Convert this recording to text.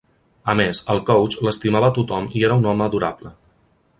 A més, al Coach l'estimava tothom i era un "home adorable".